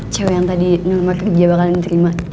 cewek yang tadi nomor kerja bakalan diterima